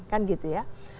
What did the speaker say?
kan gitu ya